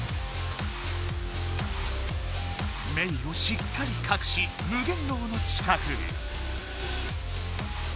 メイをしっかりかくし無限牢の近くへ。